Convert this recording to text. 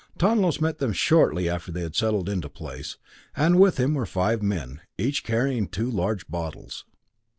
Tonlos met them shortly after they had settled into place, and with him were five men, each carrying two large bottles.